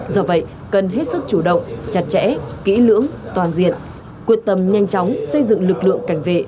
do vậy cần hết sức chủ động chặt chẽ kỹ lưỡng toàn diện quyết tâm nhanh chóng xây dựng lực lượng cảnh vệ